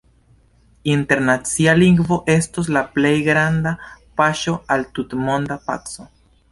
Internacia Lingvo estos la plej granda paŝo al tutmonda paco.